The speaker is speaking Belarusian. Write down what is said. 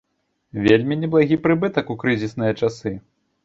Вельмі неблагі прыбытак у крызісныя часы.